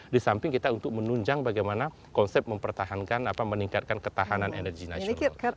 di samping kita untuk menunjang bagaimana konsep mempertahankan apa meningkatkan ketahanan energi nasional